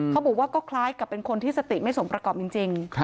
เขาบอกว่าก็คล้ายกับเป็นคนที่สติไม่สมประกอบจริง